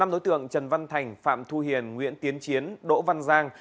năm đối tượng trần văn thành phạm thu hiền nguyễn tiến chiến đỗ văn giang